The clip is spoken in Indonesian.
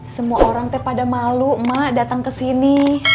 semua orang pada malu emak datang kesini